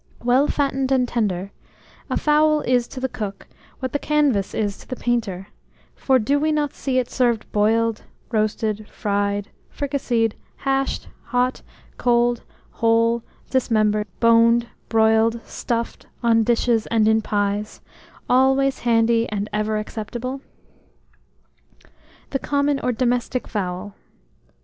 Well fattened and tender, a fowl is to the cook what the canvas is to the painter; for do we not see it served boiled, roasted, fried, fricasseed, hashed, hot, cold, whole, dismembered, boned, broiled, stuffed, on dishes, and in pies, always handy and ever acceptable? THE COMMON OR DOMESTIC FOWL.